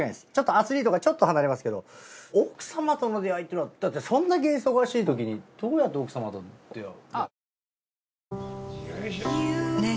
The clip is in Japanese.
アスリートからちょっと離れますけど奥様との出会いってのはだってそんだけ忙しいときにどうやって奥様と出会う。